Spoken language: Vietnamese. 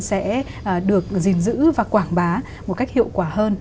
sẽ được gìn giữ và quảng bá một cách hiệu quả hơn